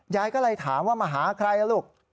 ยายก็เลยถามว่ามาหาใครล่ะลูก